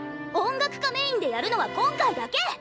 音楽科メインでやるのは今回だけ！